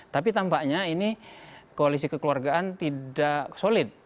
tapi tampaknya ini koalisi kekeluargaan tidak solid